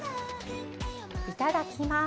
いただきます